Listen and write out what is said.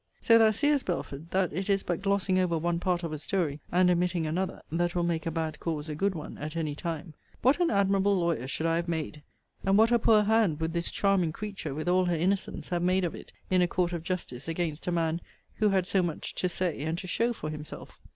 So thou seest, Belford, that it is but glossing over one part of a story, and omitting another, that will make a bad cause a good one at any time. What an admirable lawyer should I have made! And what a poor hand would this charming creature, with all her innocence, have made of it in a court of justice against a man who had so much to say and to show for himself!